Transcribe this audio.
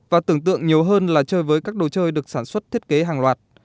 và tưởng tượng nhiều hơn là chơi với các đồ chơi được sản xuất thiết kế hàng loạt